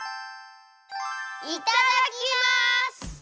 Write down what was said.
いただきます！